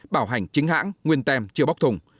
bảo hành chính hãng nguyên tem chưa bóc thùng